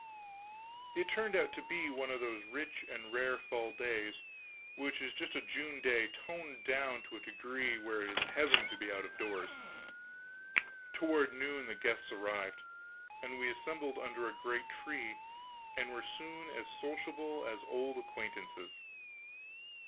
It turned out to be one of those rich and rare fall days which is just a June day toned down to a degree where it is heaven to be out of doors. Toward noon the guests arrived, and we assembled under a great tree and were soon as sociable as old acquaintances.